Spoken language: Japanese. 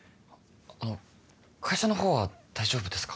あの会社のほうは大丈夫ですか？